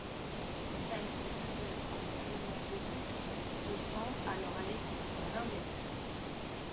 Elle se mesure par prélèvement de goutte de sang à l'oreille, ou à l'index.